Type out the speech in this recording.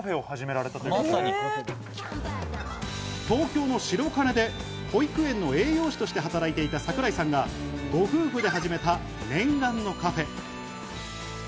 東京の白金で保育園の栄養士として働いていた櫻井さんがご夫婦で始めた念願のカフェ。